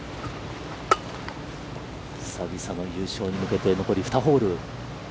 久々の優勝に向けて残り２ホール。